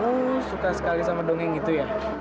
kamu suka sekali sama dongeng itu ya